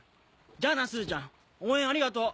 じゃあなすずちゃん応援ありがとう！